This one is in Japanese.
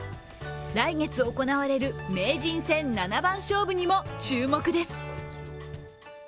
来月行われる名人戦七番勝負にも注目です。